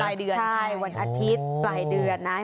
รายเดือนใช่วันอาทิตย์ปลายเดือนนะ